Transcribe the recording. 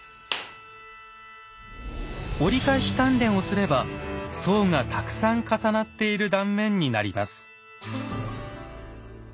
折り返し鍛錬をすれば層がたくさん重なっている断面になります。